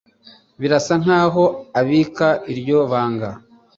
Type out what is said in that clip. Birasa nkaho abika iryo banga.